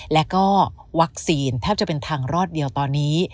แล้วก็วัคซีนแทบจะเป็นทางรอดเดียวตอนนี้